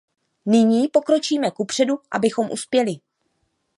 Nyní pokročíme kupředu, abychom uspěli.